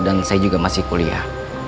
dan saya juga masih kuliah